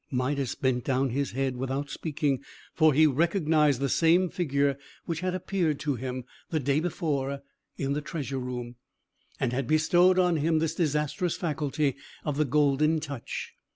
Midas bent down his head, without speaking; for he recognised the same figure which had appeared to him, the day before, in the treasure room, and had bestowed on him this disastrous faculty of the Golden Touch.